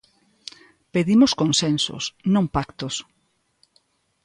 Pedimos consensos, non pactos.